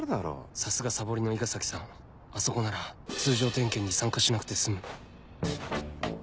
さすがサボりの伊賀崎さんあそこなら通常点検に参加しなくて済む